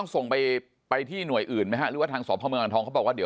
สอบพเมืองจะทำมาทั้งประจำวันอย่างนี้